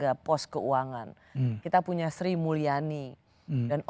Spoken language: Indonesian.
jotoh terus lagi tapi udah jakim juga nih dish